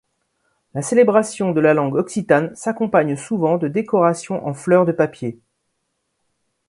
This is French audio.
La célébration de la langue occitane s'accompagne souvent de décorations en fleurs de papier.